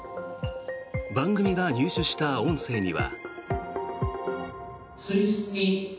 番組が入手した音声には。